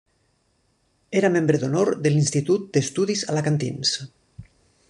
Era Membre d'Honor de l'Institut d'Estudis Alacantins.